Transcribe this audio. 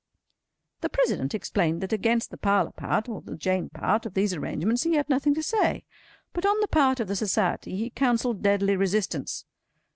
The President explained that against the parlour part, or the Jane part, of these arrangements he had nothing to say; but, on the part of the Society, he counselled deadly resistance.